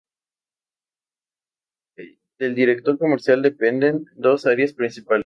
Del Director Comercial dependen dos áreas principales:.